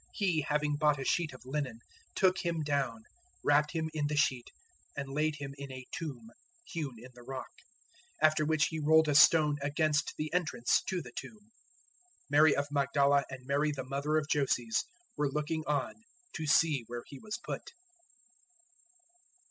015:046 He, having bought a sheet of linen, took Him down, wrapped Him in the sheet and laid Him in a tomb hewn in the rock; after which he rolled a stone against the entrance to the tomb. 015:047 Mary of Magdala and Mary the mother of Joses were looking on to see where He was put.